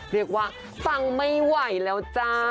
เรียกว่าฟังไม่ไหวแล้วจ้า